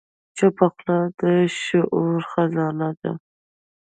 چپه خوله، د شعور خزانه ده.